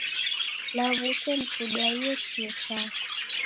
Law'uke nikudwaie chuo chako.